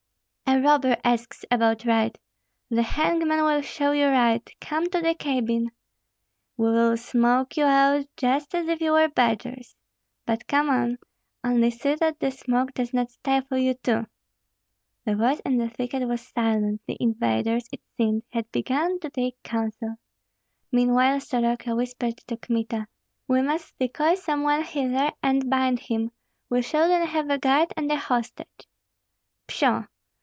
"A robber asks about right! The hangman will show you right! Come to the cabin." "We will smoke you out just as if you were badgers." "But come on; only see that the smoke does not stifle you too." The voice in the thicket was silent; the invaders, it seemed, had begun to take counsel. Meanwhile Soroka whispered to Kmita, "We must decoy some one hither, and bind him; we shall then have a guide and a hostage." "Pshaw!"